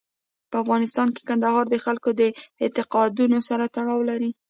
په افغانستان کې کندهار د خلکو د اعتقاداتو سره تړاو لري.